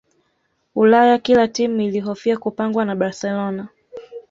ulaya kila timu ilihofia kupangwa na barcelona